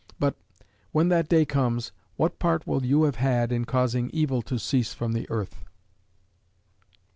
But, when that day comes, what part will you have had in causing evil to cease from the earth?